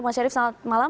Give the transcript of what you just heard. bang syarif selamat malam